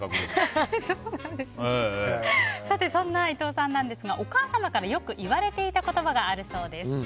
さて、そんな伊藤さんなんですがお母さまからよく言われていた言葉があるそうです。